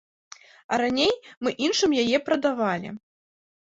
А раней мы іншым яе прадавалі.